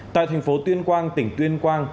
tại thành phố tuyên quang tỉnh tuyên quang